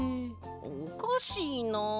おかしいな。